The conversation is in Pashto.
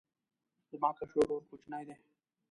زما کشر ورور کوچنی دی